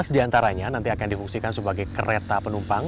sebelas di antaranya nanti akan difungsikan sebagai kereta penumpang